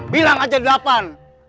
bilang aja delapan